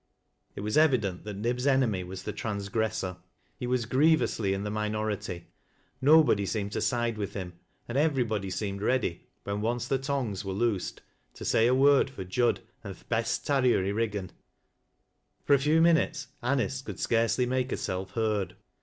" It was eyident that Nib's enemy was the transgressor. He was grievously in the minority. Nobody seemed to side with him, and everybody seemed ready — when onco the tongues were loosed — to say a word for Jud and " th' Lest tarrier i' Eiggan." For a few minut«s Anice cou,d scarcely make herself heard.